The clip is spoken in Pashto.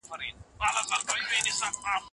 دوی خپله روغتیا ساتي.